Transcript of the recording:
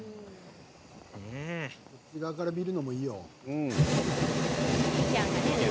こちらから見るのもいいよ。